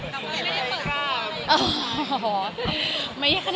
กลับบ้านไม่ได้เปิดร่าง